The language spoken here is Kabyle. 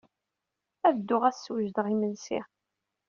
Ad dduɣ ad d-swejdeɣ imensi.